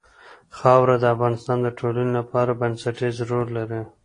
خاوره د افغانستان د ټولنې لپاره بنسټيز رول لري.